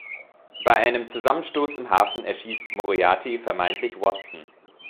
Bei einem Zusammenstoß im Hafen erschießt Moriarty vermeintlich Watson.